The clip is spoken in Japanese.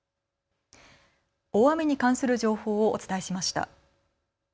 大雨に関する情報をお伝えしました。